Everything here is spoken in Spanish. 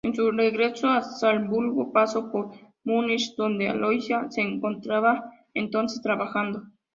En su regreso a Salzburgo, pasó por Múnich, donde Aloysia se encontraba entonces trabajando.